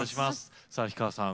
さあ氷川さん